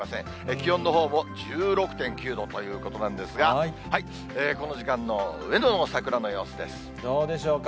気温のほうも１６．９度ということなんですが、どうでしょうか。